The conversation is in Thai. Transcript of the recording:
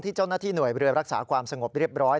เจ้าหน้าที่หน่วยเรือรักษาความสงบเรียบร้อย